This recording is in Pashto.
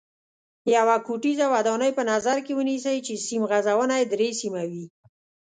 یوه کوټیزه ودانۍ په نظر کې ونیسئ چې سیم غځونه یې درې سیمه وي.